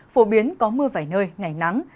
phổ biến có mưa vài nơi ngày nắng